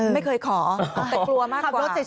ไม่เคยขอแต่กลัวมากกว่า